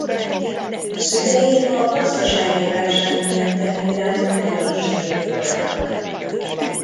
Szülei a gazdasági válság miatt emigrált magyar zsidók voltak.